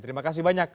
terima kasih banyak